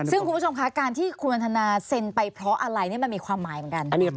ซึ่งคุณผู้ชมคะการที่คุณวันทนาเซ็นไปเพราะอะไรนี่มันมีความหมายเหมือนกัน